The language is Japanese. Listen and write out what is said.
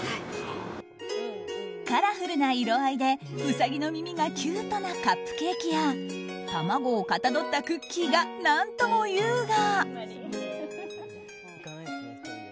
カラフルな色合いでウサギの耳がキュートなカップケーキや、卵をかたどったクッキーが、何とも優雅。